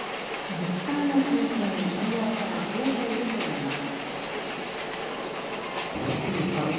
自治体を中心に問い合わせが増えているといいます。